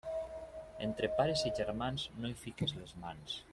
Entre pares i germans no hi fiques les mans.